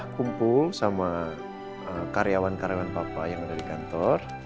kumpul sama karyawan karyawan papa yang ada di kantor